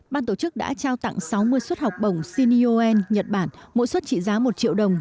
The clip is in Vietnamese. ban tổ chức đã trao tặng sáu mươi suất học bổng cin nhật bản mỗi suất trị giá một triệu đồng